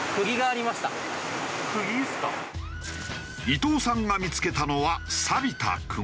伊藤さんが見付けたのはさびた釘。